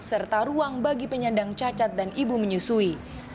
serta ruang bagi penyandang cacat dan ibu menyusui